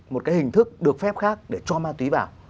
một cái hình thức được phép khác để cho ma túy vào